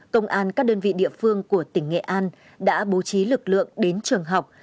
công an các đơn vị địa phương của tỉnh nghệ an đã bố trí lực lượng đến trường học